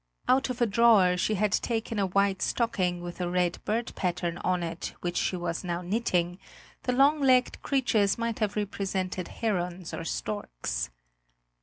Out of a drawer she had taken a white stocking with a red bird pattern on it, which she was now knitting; the long legged creatures might have represented herons or storks.